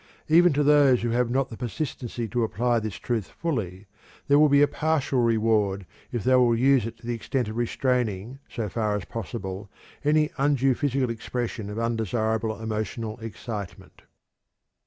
Even to those who have not the persistency to apply this truth fully, there will be a partial reward if they will use it to the extent of restraining so far as possible any undue physical expression of undesirable emotional excitement.